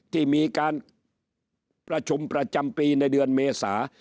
ที่มีการประชุมประจำปีในเดือนเมษา